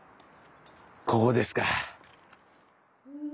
ここですか。